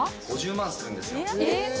５０万するんですよ。